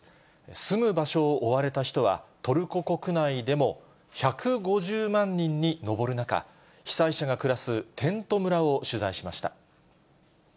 住む場所を追われた人は、トルコ国内でも１５０万人に上る中、被災者が暮らすテント村を取材しました。